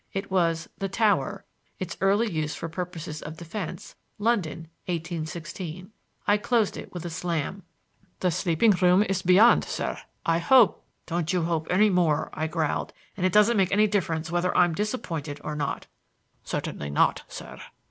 It was The Tower: Its Early Use for Purposes of Defense. London: 1816. I closed it with a slam. "The sleeping room is beyond, sir. I hope—" "Don't you hope any more!" I growled; "and it doesn't make any difference whether I'm disappointed or not." "Certainly not, sir!"